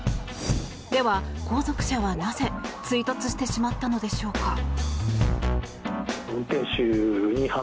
では、後続車はなぜ追突してしまったのでしょうか。